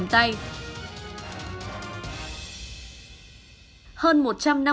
may đặt cầm tay